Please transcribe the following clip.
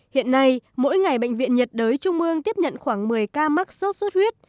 hiện nay mỗi ngày bệnh viện nhiệt đới trung ương tiếp nhận khoảng một mươi ca mắc sốt xuất huyết